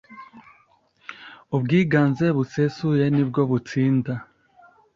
ubwiganze busesuye nibwo butsinda.